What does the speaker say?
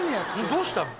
どうしたの？